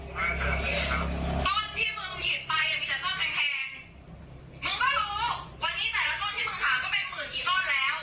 มึงไม่ใช่มือบอลมึงอย่ามามึงตั้งใจ